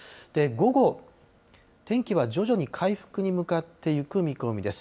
午後、天気は徐々に回復に向かっていく見込みです。